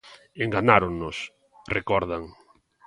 "Enganáronnos", recordan.